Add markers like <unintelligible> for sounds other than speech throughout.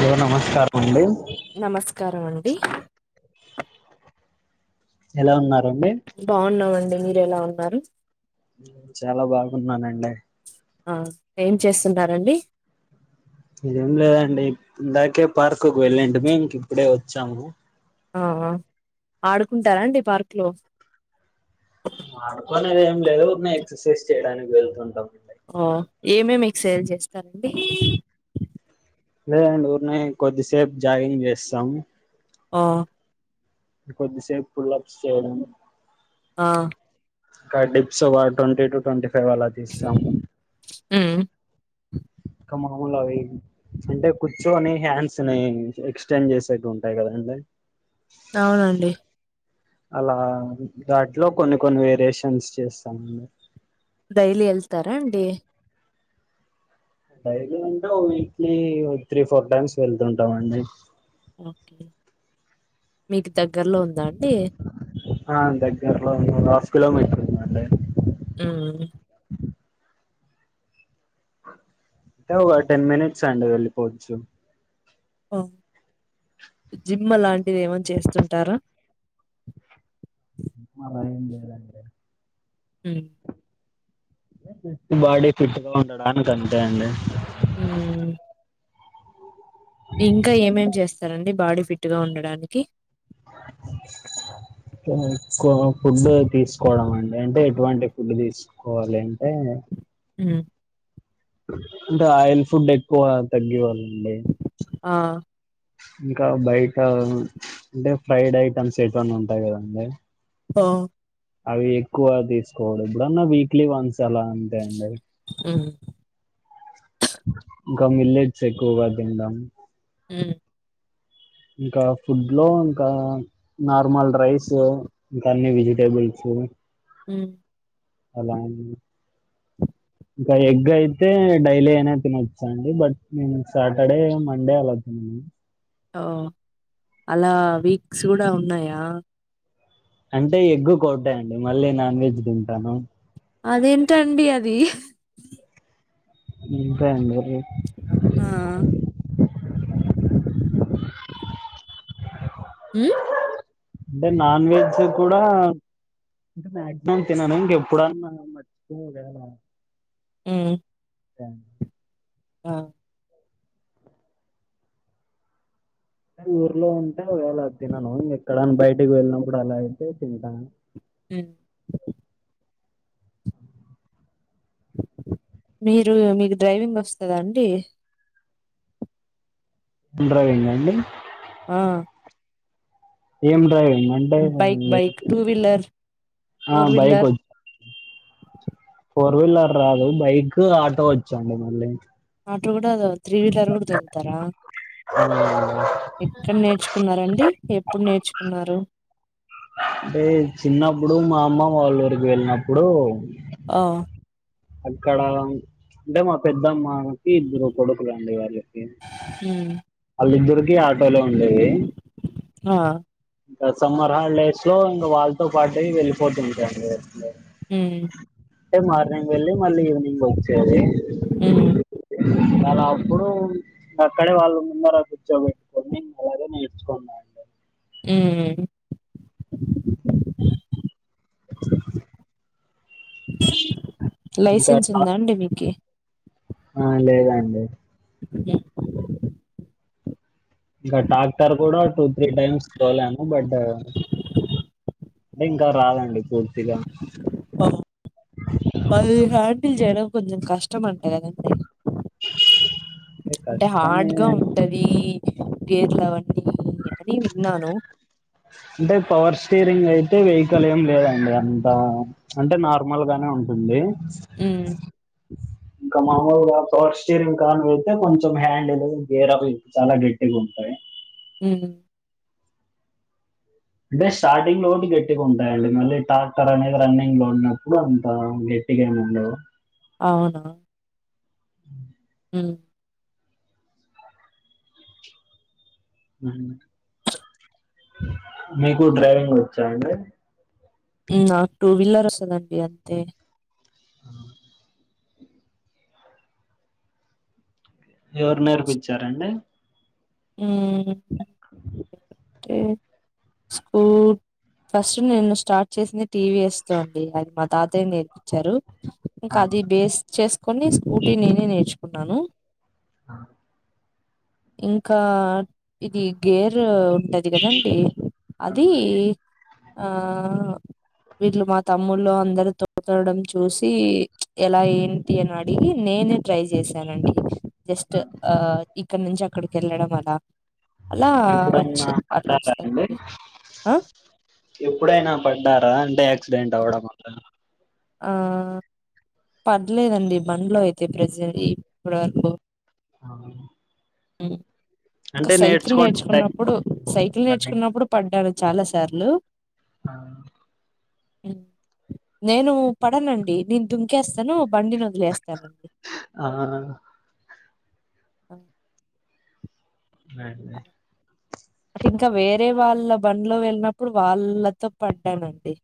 లో నమస్కారం అండి నమస్కారం అండి ఎలా ఉన్నారండి బావున్నామండి మీరు ఎలా ఉన్నారు చాలా బాగున్నానండి ఆ ఏం చేస్తున్నారండి ఇదేం లేదండి ఇందాకే పార్కుకుశవెళ్ళంటిమి ఇంక ఇప్పుడే వచ్చాము ఔనా ఆడుకుంటారా అండి పార్క్ లో ఆడుకొనేది ఏం లేదు ఊక్నే ఎక్సస్సైజ్ చేయడానికి వెళ్తుంటాము ఓ ఏమేం ఎక్సస్సైజ్ లు చేస్తారండి లేదండి ఊరినే కొద్దిసేపు జాగింగ్ చేస్తాం ఆ కొద్దిసేపు ఫుల్లప్స్ చెయ్యడం ఆ కా డిప్స్ వా టొంటీ టు టొంటీ ఫైవ్ అలా తీస్తాం ఊ క మామూలుగా వె అంటే కూర్చోని హ్యాండ్స్ ని ఎక్స్టెండ్ చేసేట్టు ఉంటాయి కదండి అవునండి అలా దాట్లో కొన్ని కొన్ని వేరియేషన్స్ చేస్తాం <inaudible> డైలీ ఎళ్తారా అండి డైలీ అంటే ఓ వీక్లీ త్రీ ఫోర్ టైమ్స్ వెళ్తుంటాం అండి ఓకే మీకు దగ్గరలో ఉందా అండి ఆ దగ్గర్లో ఉంది ఒక హాఫ్ కిలోమీట హ్మ్ఁ టే ఇగా టెన్ మినిట్స్ అండి వెళ్లిపోవచ్చు ఆ జిమ్ అలాంటిది ఏమన్న చేస్తుంటారా? అలా ఏం లేదండి మ్ఁ బాడీ ఫిట్ గా ఉండడానికి అంతే అండి మ్మూఁ ఇంక ఏమేం చేస్తరండి బాడీ ఫిట్ గా ఉండడానికి? <unintelligible> ఫుడ్డే తీసుకోవడం అండి అంటే ఎటువంటి ఫుడ్ తీస్ కోవాలి అంటే మ్ఁ అంటే ఆయిల్ ఫుడ్ ఎక్కువ తగ్గవాలండి ఆ ఇంకా బయట అంటే ఫ్రైడ్ ఐటమ్స్ ఎటివన్న ఉంటాయి కదండి అఁ అవి ఎక్కువ తీసుకోకుడద్ ఎప్పుడన్న వీక్లీ వన్స్ అలా అంతే అండి అవి మ్ఁ ఇంక మిల్లేట్స్ ఎక్కువగా తింటాను మ్ ఇంకా ఫుడ్ లో ఇంకా నార్మల్ రైస్, ఇంకా అన్ని వెజిటేబుల్స్ మ్ఁ అలా ఇంకా ఎగ్ అయితే డైలీ అయినా తినొచ్చండి బట్ నేను సాటర్డే, మండే అలా తినను. ఓ అలా వీక్స్ కూడా ఉన్నాయా? అంటే ఎగ్గుకొకటే అండి, మళ్ళీ నాన్ వెజ్ తింటాను అదేంటండి అది అంతే అండి అది ఆఁ మ్ఁ! అంటే నాన్ వెజ్జి కూడా అంటే మాక్సిమం తినను ఇంక ఎప్పుడన్నా మర్చిపోయి ఓగాల మ్మ్ఁ టాన్ ఆఁ ఊర్లో ఉంటే ఒగవేళ తినను ఇంక ఎక్కడన బయటకి వెళ్ళినప్పుడు అలా అయితే తింటాను. మ్ఁ మీరూ, మీకు డ్రైవింగ్ వస్తదా అండి? డ్రైవింగా అండి! ఆఁ ఏం డ్రైవింగ్ అంటే bike bike bike, two wheeler ఆఁ ఫోర్ బైక్ వీలర్ వచ్ ఫోర్ వీలర్ రాదు బైక్ ఆటో వచ్చండి మళ్ళీ ఆటో కూడ దో త్రీ వీలర్ కూడ తోలుతారా ఆఁ ఎక్కడ నేర్చుకున్నారండి, ఎప్పుడు నేర్చుకున్నారు? అంటే చిన్నప్పుడు మా అమ్మ వాళ్ళ ఉరికి వెళ్ళినప్పుడు ఆ అక్కడ అంటే మా పెద్దమ్మకి ఇద్దరు కొడుకులు అండి వాళ్ళకి ఊ వాళ్ళిద్దరికి ఆటోలో ఉండేవి ఆ ఇంకా సమ్మర్ హాలిడేస్ లో ఇంకా వాళ్ళతో పాటే వెళ్ళిపోతుంటి అండి నేను ఊ టే మార్నింగ్ వెళ్ళి మళ్ళీ ఈవినింగ్ వచ్చేది ఊ మలా అప్పుడు అక్కడే వాళ్ళు ముందర కూర్చోబెట్టుకొని అలాగే నేర్చుకున్నారు ఊ <inaudible> ఇంకా లైసెన్స్ ఉందా అండి మీకి ఆ లేదండి య ఇంకా టాక్టర్ కూడా టూ త్రీ టైమ్స్ తోలాను బట్ అంటే ఇంకా రాదండి పూర్తిగా అది హ్యాండిల్ చేయడం కొంచెం కష్టం అంట కదండి అంటే హార్డ్గా ఉన్ టది గేర్లు అవన్నీ అని విన్నాను అంటే పవర్ స్టీరింగ్ అయితే వెహికల్ ఏం లేదండి అంత అంటే నార్మల్ గానే ఉంటుంది హ్మ్. ఇంకా మామూలుగా పవర్ స్టీరింగ్ కానివైతే కొంచెం హ్యాండిలు గేర్ అవి చాలా గట్టిగా ఉంటాయి ఊ అంటే స్టార్టింగ్ లోకి గట్టిగా ఉంటాయండి మళ్ళీ టాక్టర్ అనేది రన్నింగ్ లో ఉన్నప్పుడు అంత ఏ ఇక ఏమన్న ఉండదు అవునా ఉ ఉ ఊహు మీకు డ్రైవింగ్ వచ్చా అండి ఉ నాక్ టూ వీలర్ వస్తదండి అంతే ఎవరు నేర్పిచ్చారండి ఊ టే స్కూ ఫస్ట్ నేను స్టార్ట్ చేసింది టీవీఎస్ తో అండి అది మా తాతయ్య నేర్పిచ్చారు ఆ, ఇంకా అది బేస్ చేసుకొని స్కూటీ నేనే నేర్చుకున్నాను ఆ. ఇంకా ఇది గేర్ ఉంటది అది కదండి ఆ, అది ఆ వీళ్ళు మా తమ్ములు అందరూ తో తోలడం చూసి ఎలా ఏం తీయన్వడిగి నేనే ట్రై చేశానండి జస్ట్ ఆ ఇక్కడ నుంచి అక్కడికి ఎళ్ళడం అలా అలా ఎప్పుడైనా వచ్చిన్ పడ్డారా అండి ఎప్పుడైనా పడ్డారా అంటే యా క్సిడెంట్వడం అట్లా ఆ పడ్లేదండి బండ్లో అయితే ప్రజె ఇప్పటి వరకు ఆ ఉమ్ ఇంకా అంటే సైకిల్ నేర్చుకోండి నేర్చుకున్నప్పుడు, సైకిల్ ఆ అండి నేర్చుకున్నప్పుడు పడ్డాను చాలా సార్లు ఆ నేను పడనండి నేను దుంకేస్తాను బండినొదిలేస్తానండి ఆ అ అదే ఐతె ఇంకా వేరే వాళ్ళ బండ్లో వెళ్ళినప్పుడు వాళ్ళతో పడ్డానండి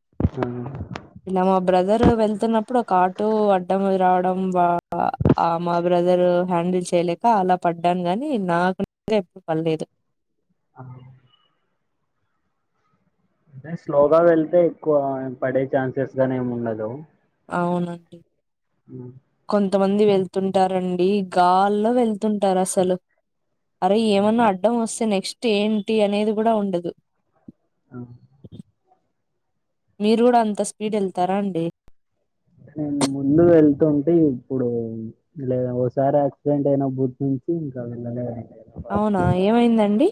ఆ ఇలా మా బ్రదర్ వెళ్తున్నప్పుడు ఒక ఆటో అడ్డం రావడం బ ఆ మా బ్రదర్ హ్యాండిల్ చేయలేక అలా పడ్డాను గాని నాకు నేను ఎప్పుడు పడ్లేదు అ అంటే స్లోగా వెళ్తే ఎక్కువ ఏం పడే ఛాన్సెస్ గని ఏం ఉండదు అవునండి ఉమ్ కొంతమంది వెళ్తుంటారండి గాల్లో వెళ్తుంటారు అసలు అరే ఏమన్నా అడ్డం వస్తే నెక్స్ట్ ఏంటి అనేది గూడా ఉండదు ఆహ మీరు గూడా అంత స్పీడ్ ఎళ్తారా అండి నేను ముందు వెళ్తుంటి ఎప్పుడో లేదు ఓసారి యాక్సిడెంట్ అయిన బుట్నుంచి ఇంక వెళ్ళలేదండి అవునా ఏమైందండి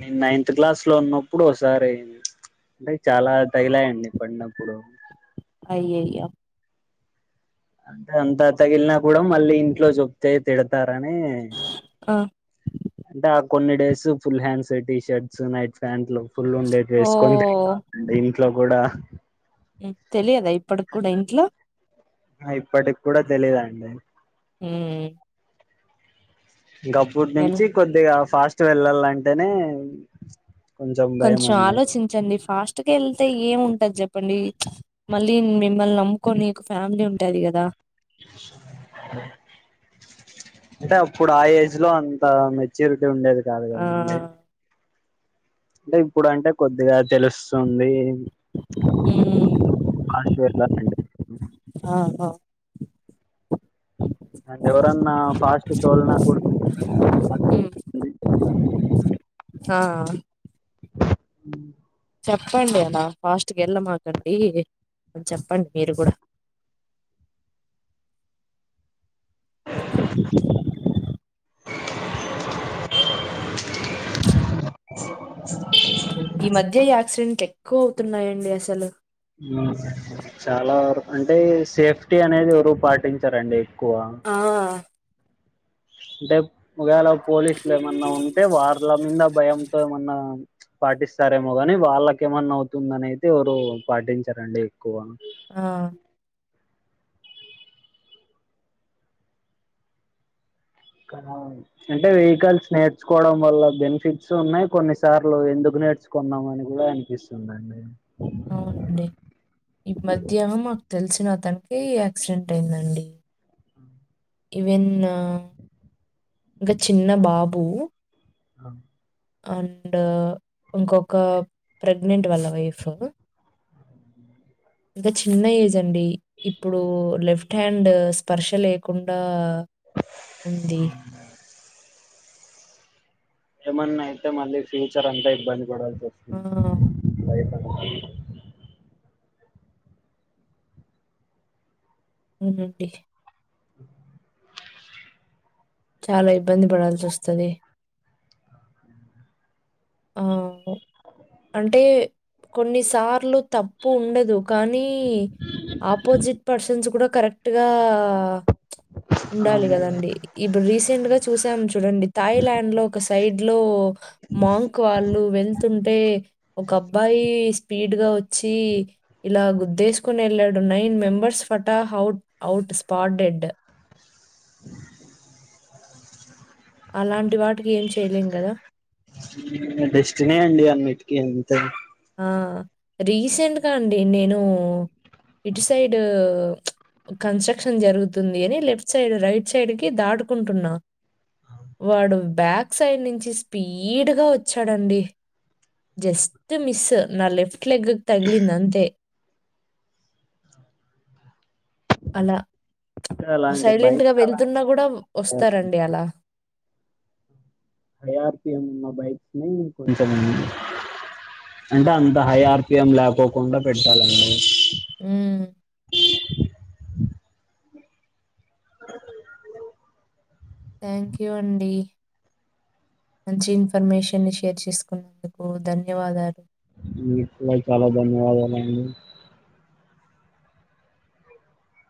నేను నైన్త్ క్లాస్ లో ఉన్నప్పుడు ఒకసారి అయింది అంటే చాలా తగిలాయండి పడినప్పుడు అయ్యయ్యో అంటే అంత తగిలిన కూడా మళ్ళీ ఇంట్లో జెప్తే తిడతారని ఆ అంటే ఆ కొన్ని days full hands T shirts, night ప్యాంట్లు ఫుల్ ఉండే ఓ డ్రేస్ కోన్ తిరిగిన అంటే ఇంట్లో కూడా తెలియదా ఇప్పటిక్కూడా ఇంట్లో అహా ఇప్పటిక్కూడా తెలీదండి ఊమ్ ఎలా ఇంగప్పట్నుంచి కొద్దిగా ఫాస్ట్ ఎళ్ళాలంటేనే కొంచం ఆలోచించండి ఫాస్ట్గ ఎళ్తే ఏం ఉంటది చెప్పండి మళ్ళీ మిమ్మల్ని నమ్ముకొని ఒక ఫ్యామిలీ ఉంటది కదా అంటే అప్పుడు ఆ ఏజ్ లో అంత మెచ్యూరిటీ ఉండేది కాదు ఆ గదండి అంటే ఇప్పుడు అంటే కొద్దిగ తెలుస్తుంది ఉమ్ ఫస్ట్ గేట్ల అంటె ఆ హా అండ్ ఎవరన్నా ఫాస్ట్ తోలిన కూడా ఉమ్ <unintelligible> చెప్తాను నేను ఆ ఉ చెప్పండి అలా ఫాస్ట్ గ ఎళ్ళమాకండి చెప్పండి మీరు కూడా ఈ మధ్య ఈ యాక్సిడెంట్లు ఎక్కువ అవుతున్నాయండి అసలు ఆ చాలా వరకూ అంటే సేఫ్టీ అనేది ఎవరూ పాటించరండి ఎక్కువ ఆ అంటే ఒకవేళ పోలీసులు ఏమన్నా ఉంటే వాళ్ళ మింద భయంతో ఏమన్నా పాటిస్తారేమో గానీ వాళ్ళకేమన్నా అవుతుందనైతే ఎవరూ పాటించరండి ఎక్కువ ఆ కనౌ అంటే వెహికల్స్ నేర్చుకోవడం వల్ల బెనిఫిట్స్ ఉన్నాయి కొన్ని సార్లు ఎందుకు నేర్చు కొన్నాం అని కూడా అనిపిస్తుంద అవునండి ఈ మధ్యానం మాకు తెలిసిన అతనినికి యాక్సిడెంట్ అయ్యిందండి ఇవెన్ ఒక చిన్న బాబు ఆ అండ్ ఇంకొక ప్రెగ్నెంట్ వాళ్ళ వైఫ్ అంత చిన్న ఏజ్ అండి ఇప్పుడు లెఫ్ట్ హ్యాండ్ స్పర్ష లేకుండా ఉంది. అవు ఏమన్నా అయితే మళ్ళీ ఫ్యూచర్ అంతా ఇబ్బంది పడాల్సి ఆ! వస్తుంది లైఫ్ <inaudible> అవునండి చాలా ఇబ్బంది పడాల్సి వస్తది అవ్ అంటే కొన్నిసార్లు తప్పు ఉండదు కానీ ఆపోజిట్ పర్సన్స్ కూడా కర క్ట్ గా ఉండాలి అవును కదండి ఇప్పుడు రీసెంట్ గా చూసాము చూడండి థాయిలాయాండ్ లో ఒక సైడ్ లో మాంగ్ క్ వాళ్ళు వెళ్తుంటే ఒక అబ్బాయి స్పీడ్ గా వచ్చి ఇలా గుద్దేసుకొని ఎళ్ళాడు నైన్ మెంబర్స్ ఫటా హౌట్ అవుట్ స్పాట్ డెడ్ అలాంటి వాటికి ఏం చెయ్యలేం కదా డెస్టినీ అండి అన్నిటికీ అంతే ఆ రీసెంట్ గా అండి నేను ఇటు సైడ్ కన్స్టక్షన్ జరుగుతుంది అని లెఫ్ట్ సైడు రైట్ సైడ్ కి దాటుకుంటున్నా వాడు బ్యాక్ సైడ్ నుంచి స్పీడ్ గా వచ్చాడండి జస్ట్ మిస్ నా లెఫ్ట్ లెగ్ కు తగలిందంతే అలా అలాంటి సైలెంట్గా బైక్స్ అలా వెళ్తున్నా కూడా వస్తారండి అలా హై ఆర్ పి యం మ బైక్స్ ని కొంచెం అంటే అంత హై ఆర్ పి యం లేకోకుండా పెట్టాలండి ఉమ్ అ థ్యాంక్ యూ అండి మంచి ఇన్ఫర్మేషన్ ని షేర్ చేసుకున్నందుకు ధన్యవాదాలు మీకు కూడా చాలా ధన్యవాదాలండి